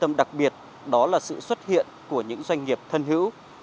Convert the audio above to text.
tâm đặc biệt đó là sự xuất hiện của những doanh nghiệp thân hữu